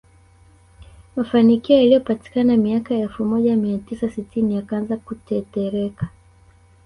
Mafanikio yaliyopatikana miaka ya elfu moja mia tisa sitini yakaanza kutetereka